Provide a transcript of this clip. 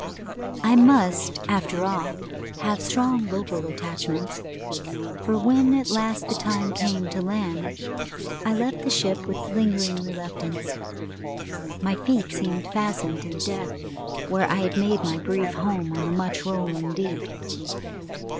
I must, after all, have strong local attachments, for when at last the time came to land I left the ship with lingering reluctance. My feet seemed fastened to the deck where I had made my brief home on the much rolling deep.